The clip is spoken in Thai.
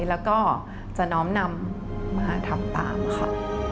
แล้วก็จะน้อมนำมาทำตามค่ะ